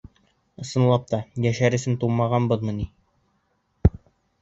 Ысынлап та, йәшәр өсөн тыумағанбыҙмы ни?